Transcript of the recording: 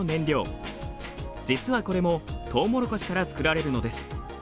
実はこれもトウモロコシから作られるのです。